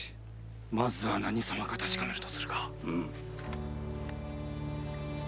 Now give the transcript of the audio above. まずは何様か確かめるとするか。